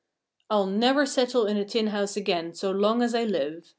"I'll never settle in a tin house again so long as I live!"